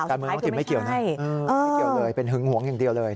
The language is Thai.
สุดท้ายคือไม่ใช่ไม่เกี่ยวเลยเป็นหึงหวงอย่างเดียวเลย